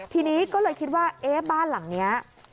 ทีนี้ก็เลยคิดว่าเอ๊ะบ้านหลังนี้